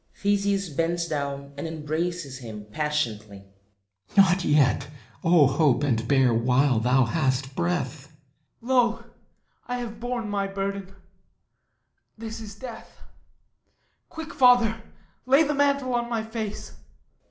[THESEUS bends down and embraces him passionately.] THESEUS Not yet! O hope and bear while thou hast breath! HIPPOLYTUS Lo, I have borne my burden. This is death... Quick, Father; lay the mantle on my face.